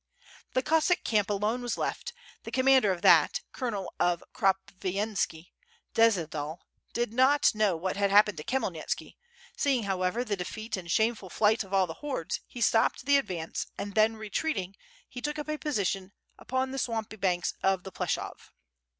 The Cossack camp alone was left, the commander of that, Colonel of Kropivenski, Dziedzial, did not know what had happened to Khmyelnitski; seeing however the defeat and shameful flight of all the hordes, he stopped the advance, and then retreating, he took up a position upon the swampy banks of the Pleshov.